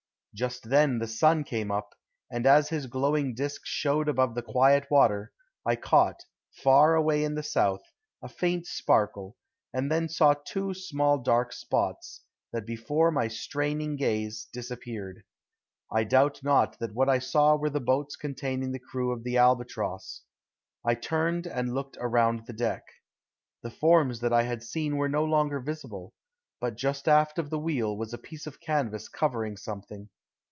Just then the sun came up, and as his glowing disc showed above the quiet water, I caught, far away in the south, a faint sparkle, and then saw two small dark spots, that before my straining gaze disappeared. I doubt not that what I saw were the boats containing the crew of the Albatross. I turned and looked around the deck. The forms that I had seen were no longer visible, but just aft of the wheel was a piece of canvas covering something.